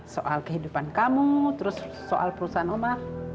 soal kehidupan kamu terus soal perusahaan oma